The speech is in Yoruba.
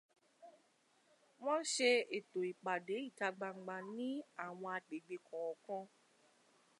Wọ́n ṣe ètò ìpàdé ìta gbangba ní àwọn àgbègbè kọ̀ọ̀kan.